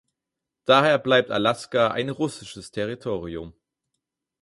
Daher bleibt Alaska ein russisches Territorium.